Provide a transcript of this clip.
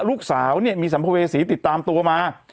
ลูกสาวเนี่ยมีสัมภเวษีติดตามตัวมา